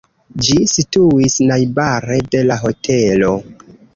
Ĝi situis najbare de la hotelo.